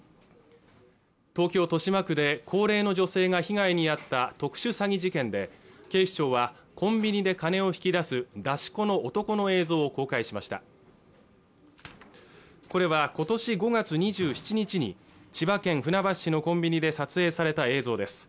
東京・豊島区で高齢の女性が被害にあった特殊詐欺事件で警視庁はコンビニで金を引き出す出し子の男の映像を公開しましたこれは今年５月２７日に千葉県船橋市のコンビニで撮影された映像です